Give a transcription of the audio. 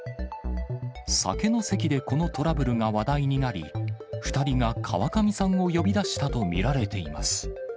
酒の席でこのトラブルが話題になり、２人が川上さんを呼び出したと見られています。